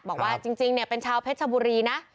บอกว่าจริงเป็นชาวเพชรชบุรีนะ